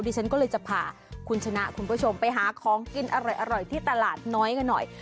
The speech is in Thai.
ฉันก็เลยจะพาคุณชนะคุณผู้ชมไปหาของกินอร่อยที่ตลาดน้อยกันหน่อย